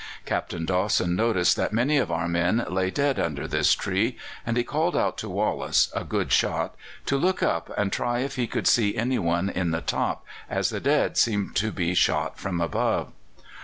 Captain Dawson noticed that many of our men lay dead under this tree, and he called out to Wallace, a good shot, to look up and try if he could see anyone in the top, as the dead seemed to be shot from above.